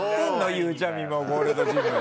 ゆうちゃみもゴールドジム。